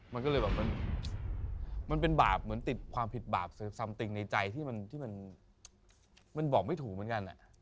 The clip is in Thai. มันก็เลยแบบมันเป็นบาปเหมือนติดความผิดบาปซัมติงในใจที่มันบอกไม่ถูกเหมือนกัน